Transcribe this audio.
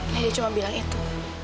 nedi cuma bilang itu